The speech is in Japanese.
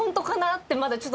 ってまだちょっと。